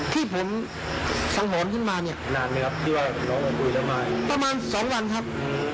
ที่ผมสังหรณ์ขึ้นมาเนี่ยประมาณสองวันครับ